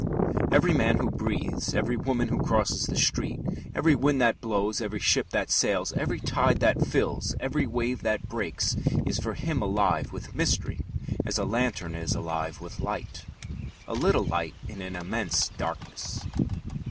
Every man who breathes, every woman who crosses the street, every wind that blows, every ship that sails, every tide that fills, every wave that breaks, is for him alive with mystery as a lantern is alive with light a little light in an immense darkness.